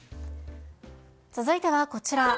続いてはこちら。